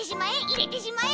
入れてしまえ！